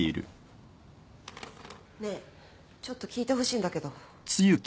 ねえちょっと聞いてほしいんだけど。